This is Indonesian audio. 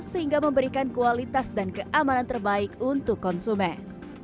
sehingga memberikan kualitas dan keamanan terbaik untuk konsumen